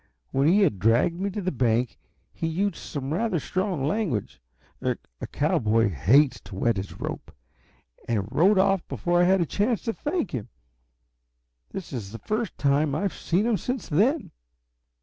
When he had dragged me to the bank he used some rather strong language a cowboy does hate to wet his rope and rode off before I had a chance to thank him. This is the first time I've seen him since then."